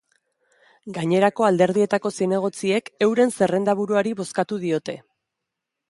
Gainerako alderdietako zinegotziek euren zerrendaburuari bozkatu diote.